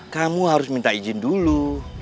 kamu harus minta izin dulu